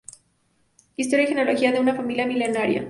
Historia y genealogía de una familia milenaria".